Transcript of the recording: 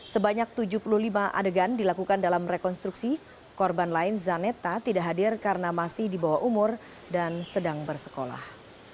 sebanyak tujuh puluh lima adegan dilakukan dalam rekonstruksi korban lain zaneta tidak hadir karena masih di bawah umur dan sedang bersekolah